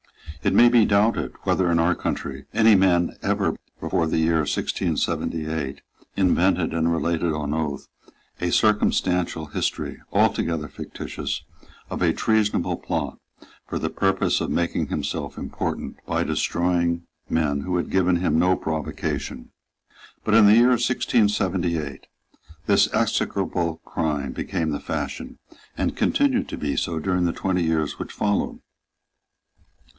It may be doubted whether, in our country, any man ever before the year 1678 invented and related on oath a circumstantial history, altogether fictitious, of a treasonable plot, for the purpose of making himself important by destroying men who had given him no provocation. But in the year 1678 this execrable crime became the fashion, and continued to be so during the twenty years which followed.